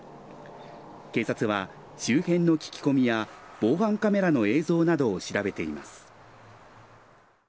警察は周辺の聞き込みや防犯カメラの映像などを調べています。